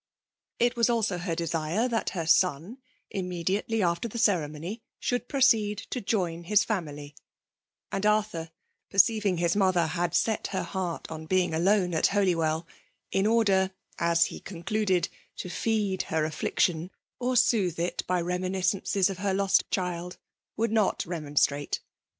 It was also her desire, that her son, immediately after the ceremony, should proceed to join his family ; and Arthur, perceiving his mother had set her heart on being alone at Holywell, in order, as he concluded, to feed her affliction, of soothe it by reminiscences of her lost child^ would not remonstrate.